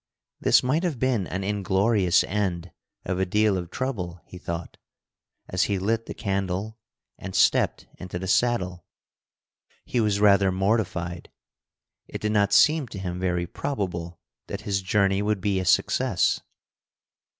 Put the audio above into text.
"This might have been an inglorious end of a deal of trouble," he thought, as he lit the candle and stepped into the saddle. He was rather mortified. It did not seem to him very probable that his journey would be a success.